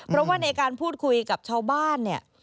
เพราะว่าในการพูดคุยกับชาวบ้านเนี่ย